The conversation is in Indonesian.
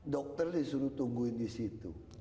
dokter disuruh tungguin di situ